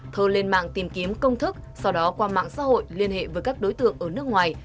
thơ lên mạng tìm kiếm công thức sau đó qua mạng xã hội liên hệ với các đối tượng ở nước ngoài